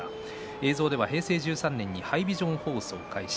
映像では平成１３年にハイビジョン放送が開始。